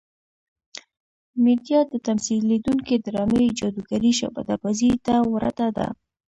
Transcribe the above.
میډیا د تمثیلېدونکې ډرامې جادوګرې شعبده بازۍ ته ورته ده.